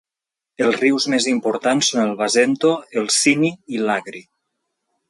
Els rius més importants són el Basento, el Sinni i l'Agri.